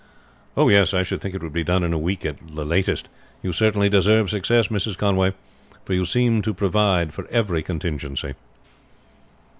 "Oh, yes, I should think it would be done in a week at latest. You certainly deserve success, Mrs. Conway, for you seem to provide for every contingency."